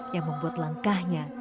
yang membuat langsungnya